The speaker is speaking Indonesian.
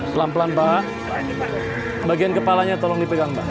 pelan pelan pak bagian kepalanya tolong dipegang mbak